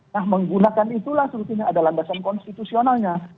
nah menggunakan itulah sepertinya ada lambasan konstitusionalnya